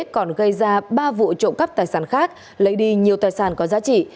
còn gây ra ba vụ trộm cắp tài sản khác lấy đi nhiều tài sản có giá trị